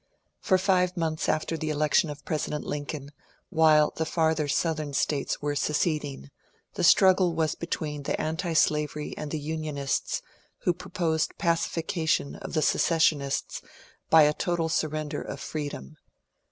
For five months after the election of President Lincoln, while the farther Southern States were seceding, the struggle was between the antislavery and the unionists who proposed pacification of the secessionists by a total surrender of Free dom.